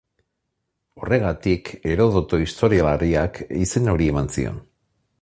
Horregatik, Herodoto historialariak izen hori eman zion.